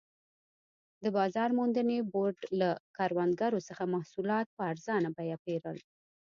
د بازار موندنې بورډ له کروندګرو څخه محصولات په ارزانه بیه پېرل.